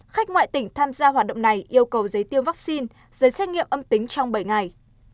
khách ngoại tỉnh tham gia hoạt động này yêu cầu giấy tiêm vaccine giấy xét nghiệm âm tính trong bảy ngày